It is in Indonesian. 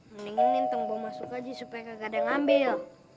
mendingin nintong mau masuk aja supaya kagak ada ngambil